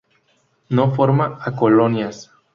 No forma a colonias.